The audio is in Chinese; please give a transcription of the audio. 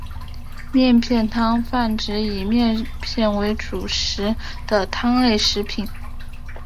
面片汤泛指以面片为主食的汤类食品。